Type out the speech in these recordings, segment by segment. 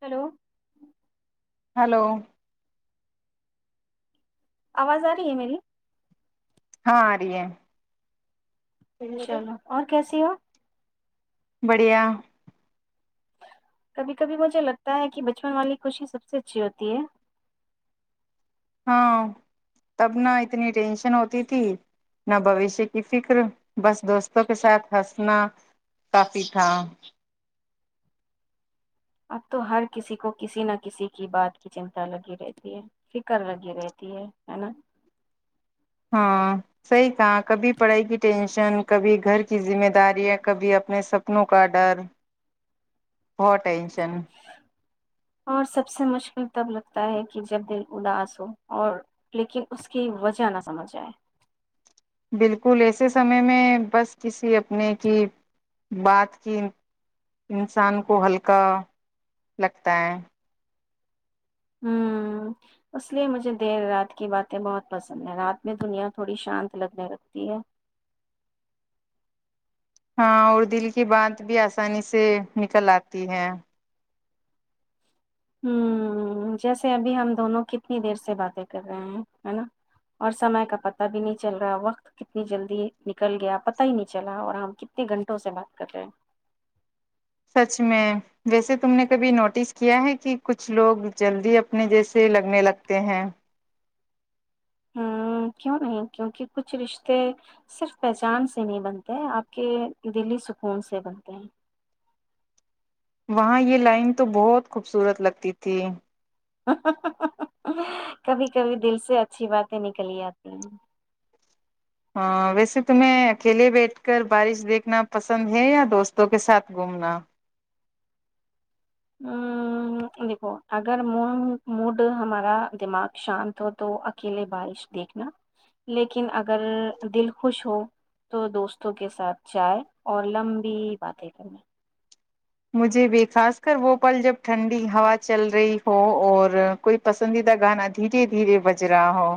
hello hello آواز آ رہی ہے میری ہاں آ رہی ہے چلو اور کیسی ہو بڑھیا کبھی کبھی مجھے لگتا ہے کہ بچپن والی خوشی سب سے اچھی ہوتی ہے ہاں تب نہ اتنی ٹینشن ہوتی تھی نہ بوشیہ کی فکر بس دوستوں کے ساتھ ہنسنا کافی تھا اب تو ہر کسی کو کسی نہ کسی کی بات کی چنتا لگی رہتی ہے فکر لگی رہتی ہے ہے نا ہاں صحیح کہاں کبھی پڑھائی کی ٹینشن کبھی گھر کی ذمہ داریاں کبھی اپنے سپنوں کا ڈر بہت ٹینشن اور سب سے مشکل تب لگتا ہے کہ جب د اداس ہو اور لیکن اس کی وجہ نہ سمجھ آئے بالکل ایسے سمے میں بس کسی اپنے کی بات کی انسان کو ہلکا لگتا ہے ہوں اس لیئے مجھے دیر رات کی باتیں بہت پسند ہیں رات میں دنیا تھوڑی شانت لگنے لگتی ہے ہاں اور دل کی بات بھی آسانی سے نکل آتی ہے ہ جیسے ابھی ہم دونوں کتنی دیر سے باتیں کر رہے ہیں ہے نا اور سمے کا پتا بھی نہیں چل رہا وقت کتنی جلدی نکل گیا پت ہی نہیں چلا اور ہم کتنے گھنٹوں سے بات کر رہے ہیں سچ میں ویسے تم نے کبھی نوٹس کیا ہے کہ کچھ لوگ جلدی اپنے جیسے لگنے لگتے ہیں ہ کیوں نہیں کیونکہ کچھ رشتے صرف پہچان سے نہیں بنتے آپ کے دل ہی سکون سے بنتے ہیں وہاں یہ لائن تو بہت خوبصورت لگتی تھی کبھی کبھی دل سے اچھی باتیں نکلی آتی ہیں ہاں ویسے تمہیں اکیلے بیٹھ کر بارش دیکھنا پسند ہے یا دوستوں کے ساتھ گھومنا ہ دیکھو اگر م مڈ ہمارا دماغ شانت ہو تو اکیلے بارش دیکھنا لیکن اگر دل خوش ہو تو دوستوں کے ساتھ جائے اور لمبی باتیں کرنی مجھے بھی خاص کر وہ پل جب ٹھنڈی ہوا چل رہی ہو اور کوئی پسندیدہ گانا دھیرے دھیرے بج رہا ہو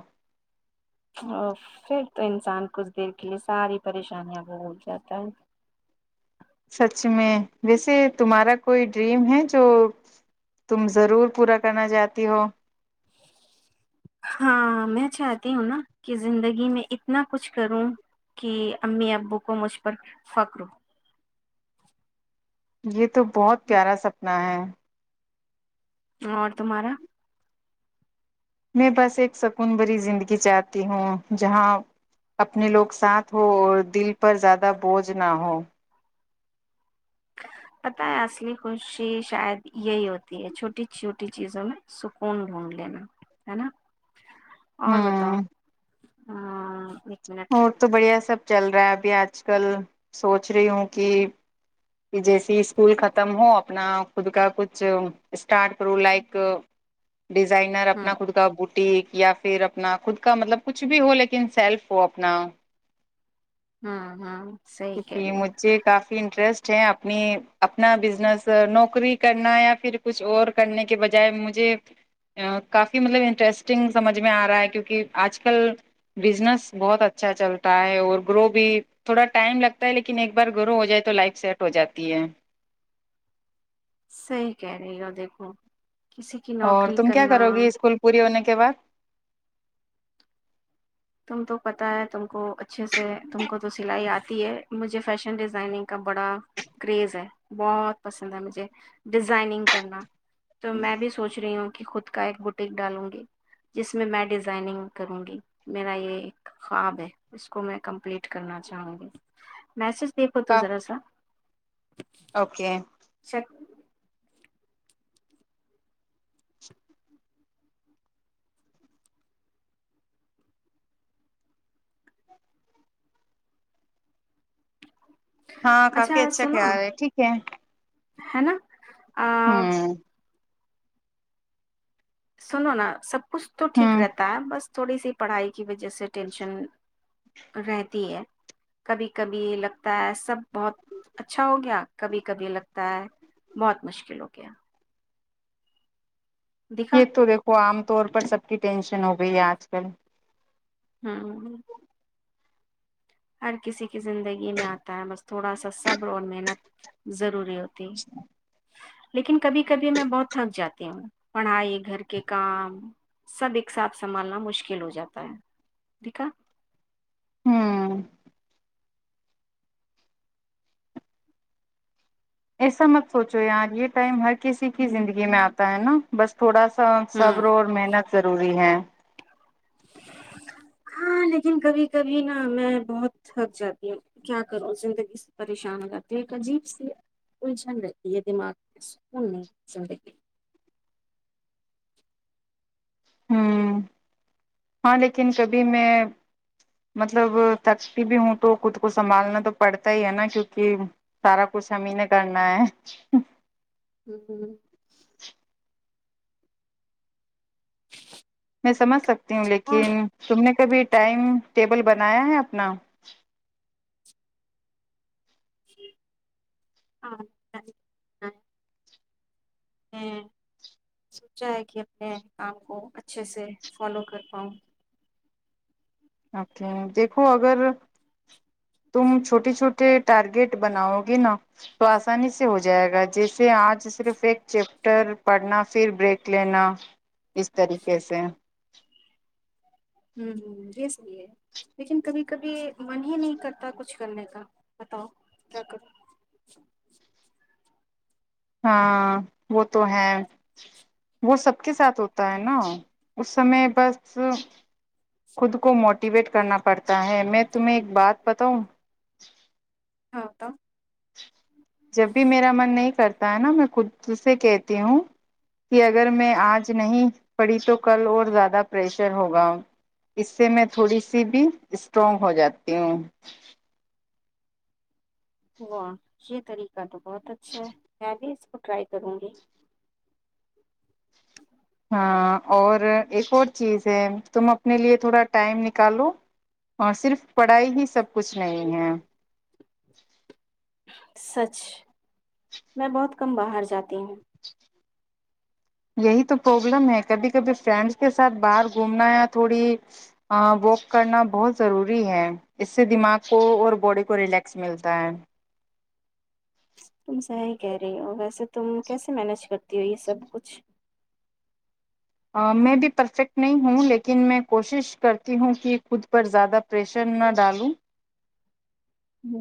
ا پھر تو انسان کچھ دیر کے لیے ساری پریشانیاں کو بھول جاتا ہے سچ میں ویسے تمہارا کوئی ڈریم ہے جو تم ضرور پورا کرنا چاہتی ہو ہاں میں چاہتی ہوں نا کہ زندگی میں اتنا کچھ کروں کہ امی ابو کو مجھ پر فخر ہو یہ تو بہت پیارا سپنا ہے اور تمارا میں بس ایک سکون بری زندگی چاہتی ہوں جہاں اپنے لوگ ساتھ ہو اور دل پر زیادہ بوجھ نہ ہو پت ہے اصلی خوشی شاید یہی ہوتی ہے چھوٹی چھوٹی چیزوں میں سکون ڈھونڈ لینا ہے نا اور بتاؤ ہوں ہاں منٹ اور تو بڑھیا سب چل رہا ہے ابھی آج کل سوچ رہی ہوں کہ کہ جیسے اسکول ختم ہو اپنا خود کا کچھ اسٹارٹ کروں لائک ڈیزائنر ہوں اپنا خود کا بٹ ٹیک یا پھر اپنا خود کا مطلب کچھ بھی ہو لیکن سیلف ہو اپنا ہوں ہوں صحیح کہہ کیکہ رہی ہو مجھے کافی انٹرسٹ اپنی اپنا بزنس نوکری کرنا یا پھر کچھ اور کرنے کے بجائے مجھے کافی مطلب انٹرسٹنگ سمجھ میں آ رہا ہے کیوںکہ آج کل بزنس بہت اچھا چلتا ہے اور گرو بھی تھوڑا ٹائم لگتا ہے لیکن ایک بار گرو ہو جائے تو لائف سیٹ ہو جاتی ہے صحی کہہ رہے گ دیکھو کسی کی اور نوکری تم کیا کرو کرنا گی اسکول پوری ہونے کے کے بد تم تو پتہ ہے تم کو اچھے سے تم کو تو سلائی آتی ہے مجھے فیشن ڈیزائننگ کا بڑا کریز ہے بہت پسند ہے مجھے ڈیزائننگ کرنا تو میں بھی سوچ رہی ہوں خود کا ایک بوٹیک ڈالوں گی جس میں میں ڈیزائنگ کروں گی میرا یہ ایک خواب ہے اس کو میں کمپلیٹ کرنا چاہوں گی میسج دیکھ تو کا ذرا سا اوکے چیک ہاں کافی اچھا خیال ہے ٹھیک ہے ہے نا آ، ہاں سنو نا سب کچھ تو ٹھیک ہوں رہتا ہے بس تھوڑی سی پڑھائی کی وجہ سے ٹینشن رہتی ہے کبھی کبھی لگتا ہے سب بہت اچھا ہو گیا کبھی کبھی لگتا ہے بہت مشکل ہو گیا دیکھا یہ تو دیکھو عام طور پر سب کی ٹینشن ن ہو گئی ہے آج کل ہاں ہر کسی کی زندگی میں آتا ہے بس تھوڑا سا صبر اور محنت ضروری ہو تی لیکن کبھی کبھی میں بہت تھک جاتی ہوں پڑھائی گھر کے کام سب ایک ساتھ سنبھالنا مشکل ہو جاتا ہے ٹھیکا ہوں ایسا مت سوچو یار یہ ٹائم ہر کسی کی زندگی میں آتا ہے نا بس تھوڑا سا سب ہوں روز محنت ضروری ہے ہاں لیکن کبھی کبھی نا میں بہت تھک جاتی ہوں کیا کروں زندگی سے پریشان ہو جاتی ہے ایک عجیب سی الجھن رہتی ہے دماغ میں سکون نہیں زندگی ہوں ہاں لیکن کبھی میں مطلب تھکتی بھی ہوں تو خود کو سنبھالنا تو پڑتا ہی ہے نا کیونک سارا کچھ ہمیں نے کرنا ہے ہ ہ [inaudible] ج [inaudible] میں سمج سکوں وں اور لیکن سننے [unintelligible] کبھی ٹائم ٹیبل بنایا ہے اپنا ہاں [inaudible] میں سوچا ہے کہ اپنے کام کو اچھے سے فالو کر پاؤں اوکے دیکھو اگر تم چھوٹی چھوٹی تھ ارگٹ بناؤ گے نا [unintelligible] تو آسانی سے ہو جائے جائے گا جیسے آج صرف ایک چیپٹر پڑھنا پھر بریک لینا اس طریقے سے ہ ہ یہ صحی ہے لیکن کبھی کبھی من ہی نہیں کرتا کچھ کرنے کا بتاؤ کیا کرو ہاں وہ تو ہے وہ سب کے ساتھ ہوتا ہے نا اس سمے بس خود کو موٹیویٹ کرنا پڑتا ہے میں تمہیں ایک بات بتاؤں ہاںتا [inaudible] جب بھی میرا من نہیں کرتا تا نا میں خود سے کہتی ہوں کہ اگر میں آج نہیں پڑی تو کل اور زیادہ پریشر ہوگا اس سے میں تھوڑی سی بھی اسٹرانگ ہو جاتی ہوں واہ یہ طریقہ تو بہت اچھا ہے میں بھی اس کو ٹرائی کروں گی ہاں اور ایک اور چیز ہے تم اپنے لیے تھوڑا ٹائم نکالو اور صرف پڑھائی ہی سب کچھ نہیں ہے سچ میں بہت کم باہر جاتا تین [unintelligible] یہی تو پرابلم ہے کبھی کبھی فرینڈس کے ساتھ باہر گھومنا یا تھوڑی واک کرنا بہت ضروری ہے اس سے دماغ کو اور باڈی کو ریلیکس ملتا ہے تم سحی کہہ رہی ہو ویسے تم کیسے مینج کرتی ہو یہ سب کچھ میں بھی پرفیکٹ نہیں ہوں لیکن میں کوشش کرتی ہوں کہ خود پر زیادہ پریشر نہ ڈالوں ہ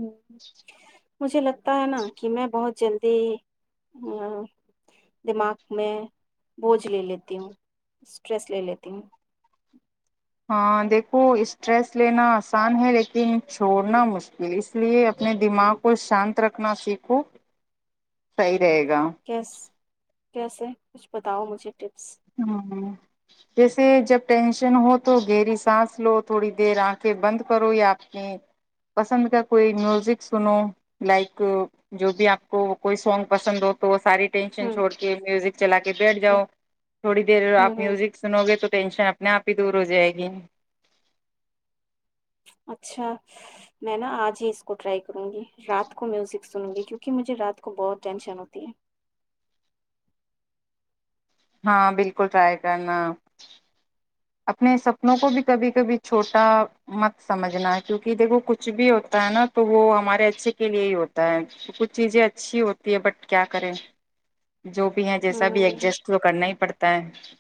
مجھے لگتا ہے نا کہ میں بہت جلد دماغ میں بوجھ لے لیتی ہوں اسٹریس لے لیتی ہوں ہاں دیکھو اسٹریس لینا آسان ہے لیکن چھوڑنا مشکل اس لیے اپنے دماغ کو شانت رکھنا سیکھو رہے گا کیس کیسے [inaudible] کچھ بتاؤ مجھے ہاں [unintelligible] جیسے جب ٹینشن ہو تو گھیری سانس لو تھوڑی دیر آنکھیں بند کرو یا آپ کی پسند کا کوئی میوزک سنو لائک جو بھی آپ کو کوئی سانگ پسند ہو تو ساری ٹینشن ہوں چھڑ کے میوزک چلا کے بیٹھ ہ جاؤ تھوڑی دیر آپ ہوں ہوں میوزک سنو گے تو ٹینشن اپنے آپ ہی دور ہو جائے گی اچھا میں نا آج ہی اس کو ٹرائی کروں گی رات کو میوزک سنوں گی کیونکہ مجھے رات کو بہت ٹینشن ہوتی ہے ہاں بالکل ٹرائی کرنا اپنے سپنوں کو بھی کبھی کبھی چھوٹا مت سمجھنا ہے کیونکہ دیکھو کچھ بھی ہوتا ہے نا تو وہ ہمارے اچھے کے لیے ہی ہوتا ہے کچھ چیزیں اچھی ہوتی ہے بٹ کیا کریں جو بھی ہے جیسا بھی ہ ایڈجسٹ تو کرنا ہی پڑتا تین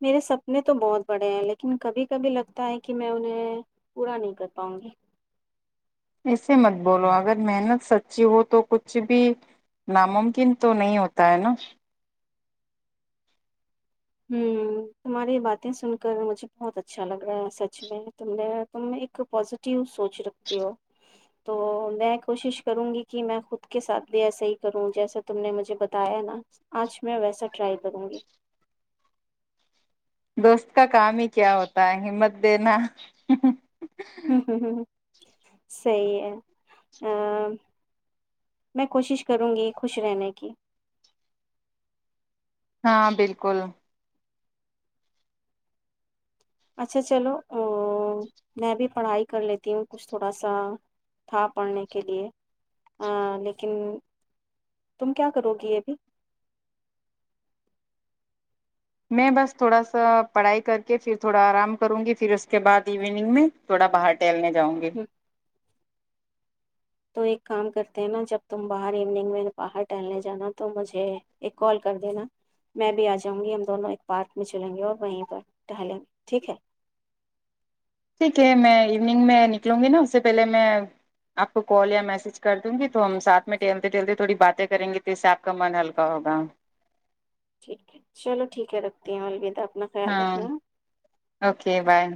میرے سپنے تو بہت بڑے ہیں لیکن کبھی کبھی لگتا ہے کہ میں انہیں پورا نہیں کر پاؤں گی اسے مت بولو اگر محنت سچی ہو تو کچھ بھی ناممکن تو نہیں ہوتا ہے نا ہوں تمہاری باتیں سن کر مجھے بہت اچھا لگ رہا ہے سچ میں تم نے تم ایک پازیٹیو سوچ رکھتی ہو تو میں کوشش کروں گی کہ میں خود کے ساتھ بھی ایسا ہی کروں جیسا تم نے مجھے بتایا نا آج میں ویسا ٹرائی کروں گی دوست کا کام ہی کیا ہوتا ہے ہمت دینا ہوں ہوں ہ ہ صحیح ہے ا میں کوشش کروں گی خوش رہنے کی ہاں بالکل اچھا چلو ا میں بھی پڑھائی کر لیتی ہوں کچھ تھوڑا سا تھا پڑھنے کے لیے لیکن تم کیا کرو گی ابھی میں بس تھوڑا سا پڑھائی کر کے پھر تھوڑا آرام کروں گی پھر اس کے بعد ایوننگ میں تھوڑا باہر ٹہلنے جاؤں گ ہوں، تو ایک کام کرتے ہیں نا جب تم باہر ایوننگ میں باہر ٹہلنے جانا تو مجھے ایک کال کر دینا میں بھی آ جاؤں گی ہم دونوں ایک پارک میں چلیں گے اور وہیں پر ٹہلیں گے ٹھیک ہے سھیک ہے میں ایگ میںک نک لوں گی نا اس سے پہلے میں آپ کو کال یا میسج کر دوں گی تو ہم سھ میں ٹہلتے ٹہلتے تھوڑی باتیں کریں گے تو اس سے آپ کا من ہلکا ہوگا ٹھیک ہے چلو ٹھیک ہے رکھتی ہوں الودا ہاں اوکے بائے